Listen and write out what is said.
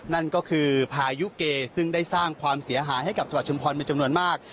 นั่นก็คือพายุเกซึ่งได้สร้างความเสียหายให้กับจังหวัดชุมพรเป็นจำนวนมาก